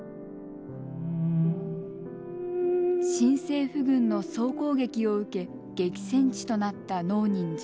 新政府軍の総攻撃を受け激戦地となった能仁寺。